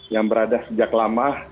yang berada sejak lama